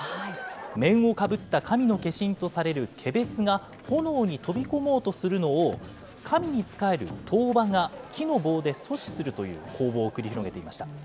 面をかぶった神の化身とされるケベスが炎に飛び込もうとするのを、神に仕えるトウバが木の棒で阻止するという攻防を繰り広げていました。